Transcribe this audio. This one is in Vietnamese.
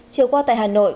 chiều qua tại hà nội